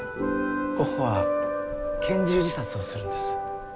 ゴッホは拳銃自殺をするんです。